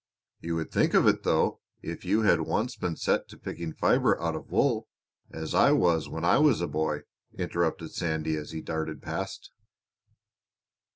"You would think of it, though, if you had once been set to picking fiber out of wool as I was when I was a boy!" interrupted Sandy, as he darted past.